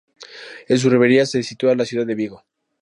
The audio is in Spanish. En su ribera se sitúa la ciudad de Vigo.